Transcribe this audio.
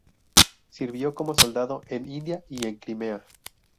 Sirvió como soldado en India y en Crimea.